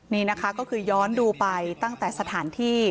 นี่นะคะก็คือย้อนดูไปตั้งแต่สถานที่